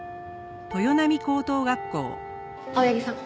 青柳さん。